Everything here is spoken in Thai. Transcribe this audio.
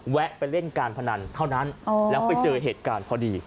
ไปเล่นการพนันเท่านั้นแล้วไปเจอเหตุการณ์พอดี